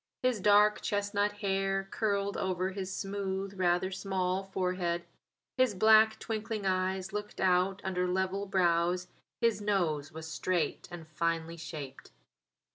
His dark chestnut hair curled over his smooth, rather small forehead. His black twinkling eyes looked out under level brows; his nose was straight and finely shaped.